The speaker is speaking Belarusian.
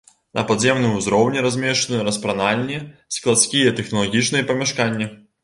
На падземным узроўні размешчаны распранальні, складскія і тэхналагічныя памяшканні.